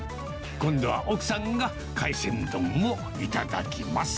今度は奥さんが海鮮丼を頂きます。